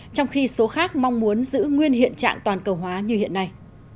trong khi số khác mong muốn giữ nguyên hiện trạng toàn cầu hóa như hiện nay